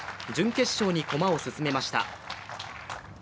準決勝に駒を進めました。